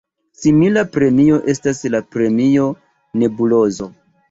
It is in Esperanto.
Simila premio estas la Premio Nebulozo.